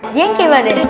jengkeh pak ade